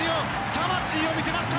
魂を見せました！